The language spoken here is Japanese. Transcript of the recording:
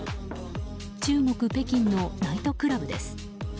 中国・北京のナイトクラブです。